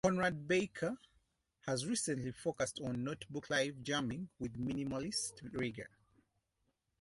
Konrad Becker has recently focused on notebook live jamming with minimalist rigor.